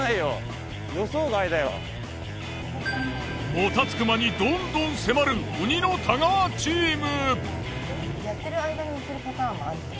もたつく間にどんどん迫る鬼の太川チーム。